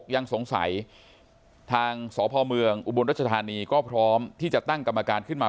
ยังสงสัยทางสพเมืองอุบลรัชธานีก็พร้อมที่จะตั้งกรรมการขึ้นมา